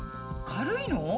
軽いの？